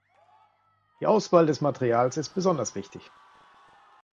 Die Auswahl des Materials ist besonders wichtig.